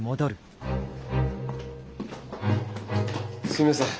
すいません。